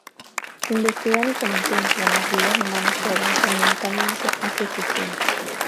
Investigan y contemplan las vidas humanas que avanzan lentamente hacia su fin.